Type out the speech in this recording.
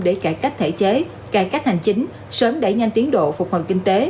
để cải cách thể chế cải cách hành chính sớm đẩy nhanh tiến độ phục hồi kinh tế